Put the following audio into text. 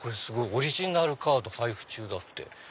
「オリジナルカード配布中」だって。